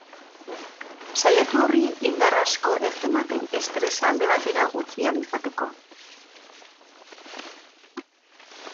Saiatu horri indar asko ez ematen, estresa alde batera utzi ahal izateko.